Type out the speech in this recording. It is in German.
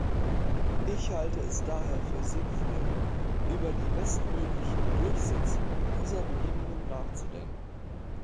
Ich halte es daher für sinnvoll, über die bestmögliche Durchsetzung dieser Bedingungen nachzudenken.